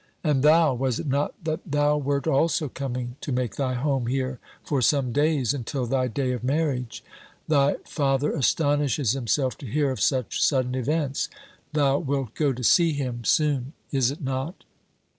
And thou, was it not that thou wert also coming to make thy home here for some days, until thy day of marriage? Thy father astonishes himself to hear of such sudden events. Thou wilt go to see him, soon, is it not?"